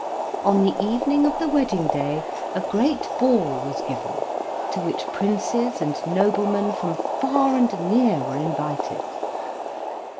On the evening of the wedding day a great ball was given, to which princes and noblemen from far and near were invited.